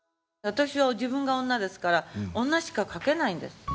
私は自分が女ですから女しか書けないんです。